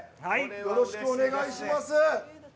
よろしくお願いします。